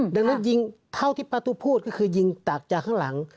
ดังนั้นยิงเท่าที่ป้าตุ๊พูดก็คือยิงตักจากข้างหลัง